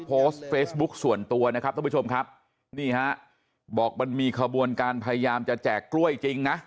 โพสต์เฟซบุ๊คส่วนตัวนะครับท่านผู้ชมครับนี่ฮะบอกมันมีขบวนการพยายามจะแจกกล้วยจริงนะ